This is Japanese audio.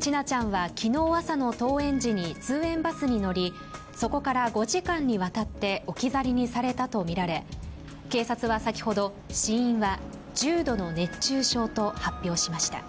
千奈ちゃんは昨日朝の登園時に通園バスに乗りそこから５時間にわたって置き去りにされたとみられ警察は先ほど、死因は重度の熱中症と発表しました。